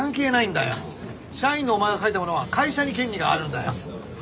社員のお前が書いたものは会社に権利があるんだよ。